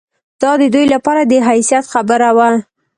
دا د دوی لپاره د حیثیت خبره وه.